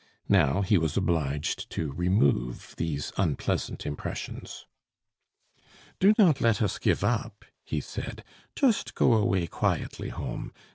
Now he was obliged to remove these unpleasant impressions. "Do not let us give up," he said; "just go away quietly home.